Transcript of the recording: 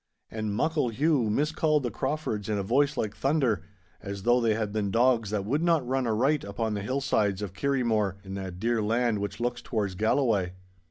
And Muckle Hugh miscalled the Craufords in a voice like thunder, as though they had been dogs that would not run aright upon the hillsides of Kirriemore, in that dear land which looks towards Galloway.